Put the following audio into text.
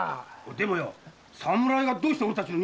でも侍がどうして俺たちの荷物を？